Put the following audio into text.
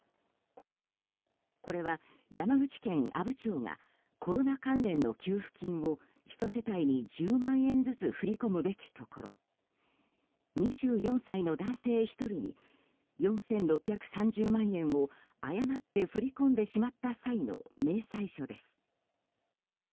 これは山口県阿武町がコロナ関連の給付金を１世帯に１０万円ずつ振り込むべきところ２４歳の男性１人に４６３０万円を誤って振り込んでしまった際の明細書です。